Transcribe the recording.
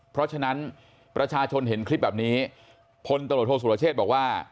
เพราะฉะนั้นประชาชนเห็นคลิปแบบนี้พลตำรวจโทษสุรเชษบอกว่า